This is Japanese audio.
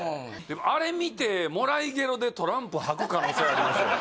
あれ見てもらいゲロでトランプ吐く可能性ありますよ